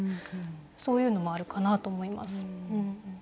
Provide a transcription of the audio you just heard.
そういうのもあるかなと思います。